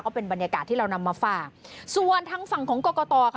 เป็นบรรยากาศที่เรานำมาฝากส่วนทางฝั่งของกรกตค่ะ